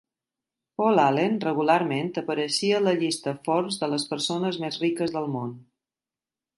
Paul Allen regularment apareixia a la llista Forbes de les persones més riques del món.